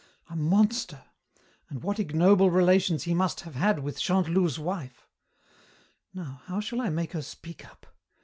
"A monster! And what ignoble relations he must have had with Chantelouve's wife! Now, how shall I make her speak up?